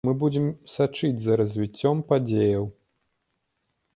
Мы будзем сачыць за развіццём падзеяў.